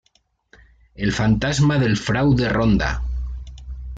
El fantasma del fraude ronda.